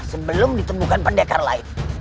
sebelum ditemukan pendekar lain